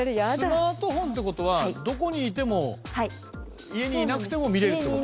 スマートフォンって事はどこにいても家にいなくても見れるって事？